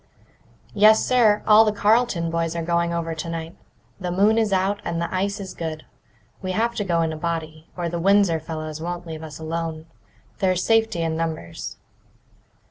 "Yes, sir; all the Carleton boys are going over tonight. The moon is out, and the ice is good. We have to go in a body, or the Windsor fellows won't leave us alone. There's safety in numbers."